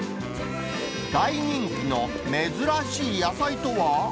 大人気の珍しい野菜とは？